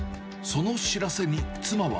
その知らせに妻は。